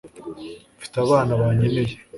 mfite abana bankeneye